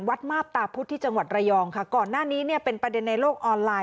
มาบตาพุธที่จังหวัดระยองค่ะก่อนหน้านี้เนี่ยเป็นประเด็นในโลกออนไลน